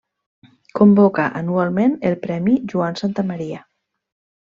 Convoca anualment el Premi Joan Santamaria.